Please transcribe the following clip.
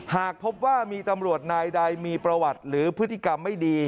หากพบว่ามีตำรวจนายใดมีประวัติหรือพฤติกรรมไม่ดี